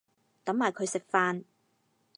等埋佢食飯